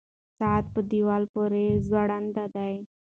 ساعت په دیوال پورې ځوړند دی.